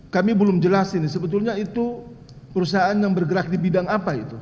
kami belum jelas ini sebetulnya itu perusahaan yang bergerak di bidang apa itu